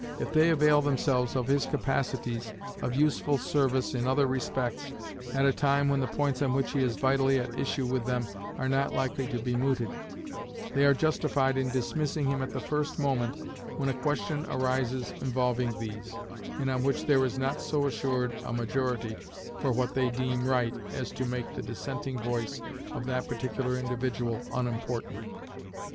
If they avail themselves of his capacities of useful service in other respects at a time when the points on which he is vitally at issue with them are not likely to be mooted, they are justified in dismissing him at the first moment when a question arises involving these, and on which there is not so assured a majority for what they deem right as to make the dissenting voice of that particular individual unimportant.